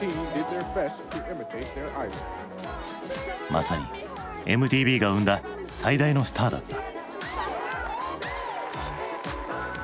まさにＭＴＶが生んだ最大のスターだった。